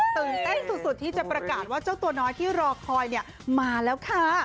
ตื่นเต้นสุดที่จะประกาศว่าเจ้าตัวน้อยที่รอคอยมาแล้วค่ะ